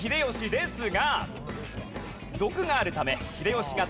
ですが。